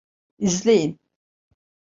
İzleyin.